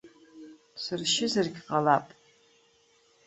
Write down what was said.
Сыршьызаргь ҟалап.